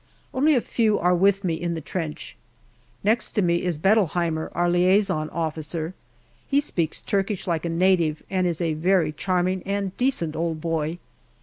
Only a few are with me in the trench. Next to me is Beetleheimer, our liaison officer. He speaks Turkish like a native, and is a very charming and decent old boy.